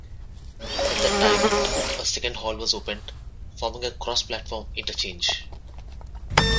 At that time a second hall was opened forming a cross-platform interchange.